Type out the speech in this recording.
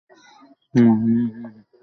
নূরবিহীন এ নিকষ অন্ধকার থেকে তোমরা দূরে থাক।